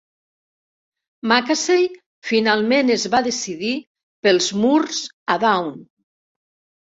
Macassey finalment es va decidir pels Mournes a Down.